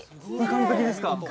完璧です